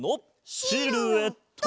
シルエット！